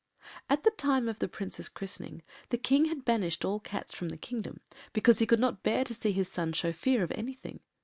At the time of the Prince’s christening the King had banished all cats from the kingdom, because he could not bear to see his son show fear of anything.